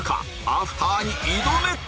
アフターに挑め！